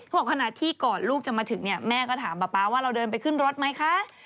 บอกขณะที่ก่อนลูกจะมาถึงเนี่ยแม่ก็ถามป๊าป๊าว่าเราเดินไปขึ้นรถไหมคะ